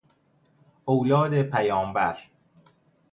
اولاد پیامبر